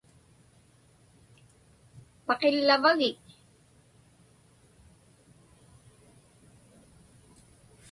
Paqillavagik?